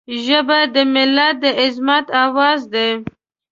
ژبه د ملت د عظمت آواز دی